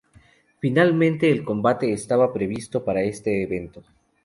Finalmente, el combate estaba previsto para este evento.